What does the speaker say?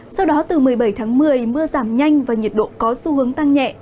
sau đó từ một mươi bảy tháng một mươi mưa giảm nhanh và nhiệt độ có xu hướng tăng nhẹ